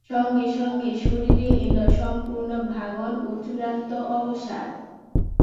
সঙ্গে সঙ্গে শরীরে এল সম্পূর্ণ ভাঙন ও চূড়ান্ত অবসাদ।